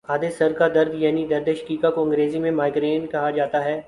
آدھے سر کا درد یعنی دردِ شقیقہ کو انگریزی میں مائیگرین کہا جاتا ہے